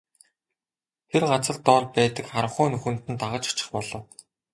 Тэр газар дор байдаг харанхуй нүхэнд нь дагаж очих болов.